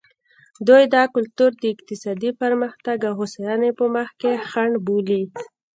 دوی دا کلتور د اقتصادي پرمختګ او هوساینې په مخ کې خنډ بولي.